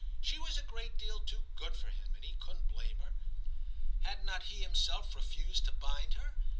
She was a great deal too good for him, and he couldn't blame her. Had not he himself refused to bind her